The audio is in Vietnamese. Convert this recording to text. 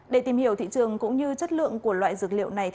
để tìm hiểu thị trường cũng như chất lượng của loại dược liệu này